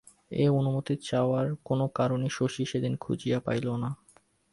এ অনুমতি চাওয়ার কোনো কারণই শশী সেদিন খুঁজিয়া পাইল না।